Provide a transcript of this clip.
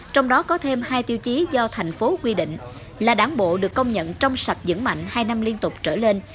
trong đó có thêm hai tiêu chí do thành phố quy định là đáng bộ được công nhận trong sạch dẫn mạnh hai năm liên tục trở lên